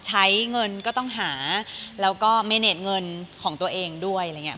ใช้เงินก็ต้องหาแล้วก็เมเนตเงินของตัวเองด้วยอะไรอย่างเงี้